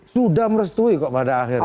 sudah merestui kok pada akhirnya